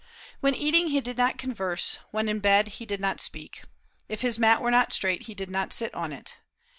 When eating he did not converse; when in bed he did not speak. If his mat were not straight he did not sit on it.